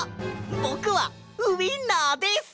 ぼくはウインナーです！